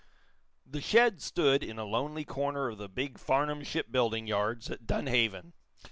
The shed stood in a lonely corner of the big Farnum shipbuilding yards at Dunhaven.